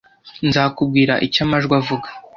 Nzakubwira icyo amajwi avuga.